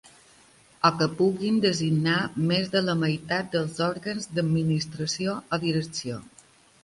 O que puguin designar més de la meitat dels òrgans d'administració o direcció.